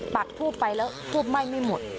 ปากทูบไปแล้วทูบไหม้ไม่หมด